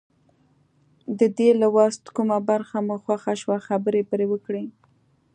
د دې لوست کومه برخه مو خوښه شوه خبرې پرې وکړئ.